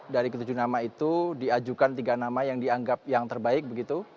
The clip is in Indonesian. dari ketujuh nama itu diajukan tiga nama yang dianggap yang terbaik begitu